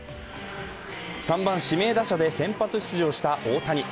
３番・指名打者で先発出場した大谷。